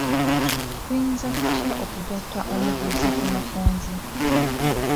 Tuyinza tutya okugatta omuguzi ku mutunzi?